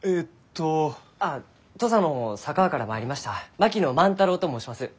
あ土佐の佐川から参りました槙野万太郎と申します。